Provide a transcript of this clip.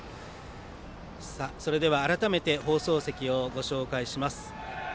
それでは改めて放送席をご紹介します。